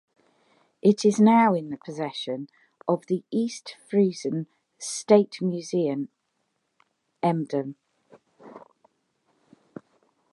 It is now in the possession of the East Frisian State Museum Emden.